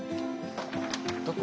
どこ？